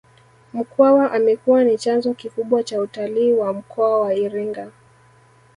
Mkwawa amekuwa ni chanzo kikubwa cha utalii wa mkoa wa Iringa